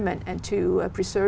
những nơi khác biệt